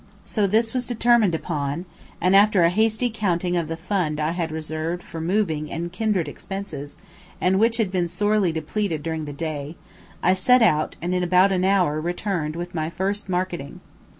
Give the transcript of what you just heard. So this was determined upon and, after a hasty counting of the fund I had reserved for moving and kindred expenses, and which had been sorely depleted during the day, I set out, and in about an hour returned with my first marketing.